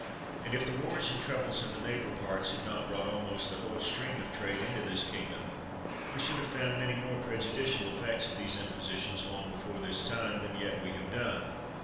And if the wars and troubles in the neighbor parts had not brought almost the whole stream of trade into this kingdom, we should have found many more prejudicial effects of these impositions, long before this time, than yet we have done.